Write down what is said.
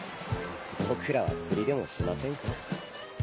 僕らは釣りでもしませんか。